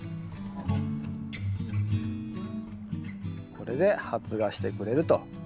これで発芽してくれると。